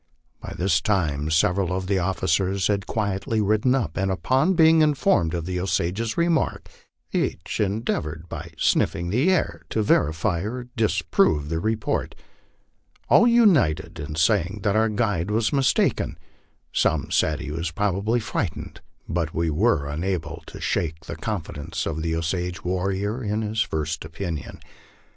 By this time several of the officers had quietly ridden up, and upon being informed of the Osage's remark, each endeavored, by sniffing the air, to verify or disprove the report. All united in saying that our guide was mis taken. Some said he was probably frightened, but we were unable to shake the confidence of the Osage warrior in his first opinion.